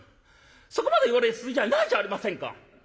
そこまで言われる筋合いないじゃありませんか」。